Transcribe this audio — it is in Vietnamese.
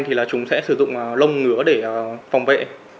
thì là chúng sẽ sử dụng lông ngứa để phòng vệ